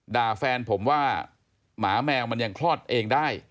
ด่าแฟนผมว่าหมาแมวมันยังคลอดเองได้